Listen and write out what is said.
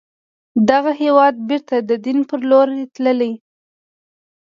دغه هېواد بیرته د دين پر لور تللی